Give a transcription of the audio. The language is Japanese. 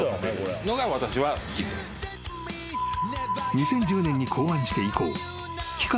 ［２０１０年に考案して以降期間